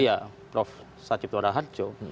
iya prof sajib torahat